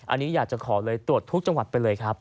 อันนี้อยากจะขอเลยตรวจทุกจังหวัดไปเลยครับ